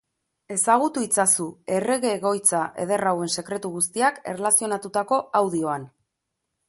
Ezagutu itzazu errege egoitza eder hauen sekretu guztiak erlazionatutako audioan.